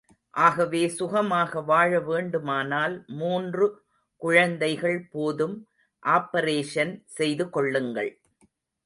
ஆகவே சுகமாக வாழவேண்டுமானால் மூன்று குழந்தைகள் போதும் ஆப்பரேஷன் செய்து கொள்ளுங்கள்.